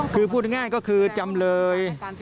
คือพูดง่ายก็คือจำเลย